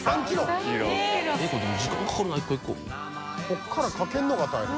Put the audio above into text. ここからかけるのが大変。